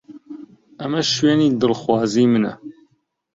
ئەمە شوێنی دڵخوازی منە.